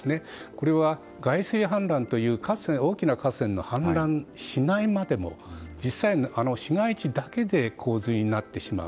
これは、外水氾濫という大きな河川が氾濫しないまでも実際、市街地だけで洪水になってしまう。